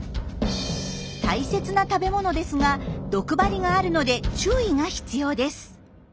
大切な食べ物ですが毒針があるので注意が必要です。